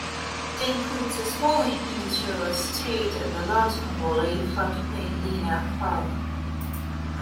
It includes a small industrial estate and the Loughton Valley flood plain "linear park".